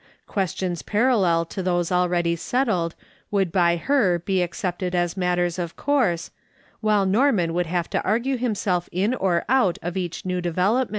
Questions parallel to those already settled would by her be accepted as matters of course, while Norman would have to argue himself in or out of each new development, S 2S8 MRS.